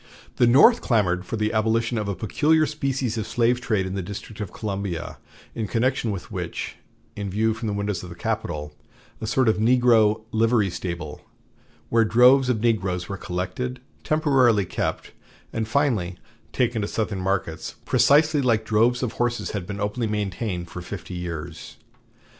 The North clamored for the abolition of a peculiar species of slave trade in the District of Columbia, in connection with which, in view from the windows of the Capitol, a sort of negro livery stable, where droves of negroes were collected, temporarily kept, and finally taken to Southern markets, precisely like droves of horses, had been openly maintained for fifty years."